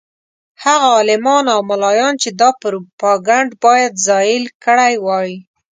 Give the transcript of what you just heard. هغه عالمان او ملایان چې دا پروپاګند باید زایل کړی وای.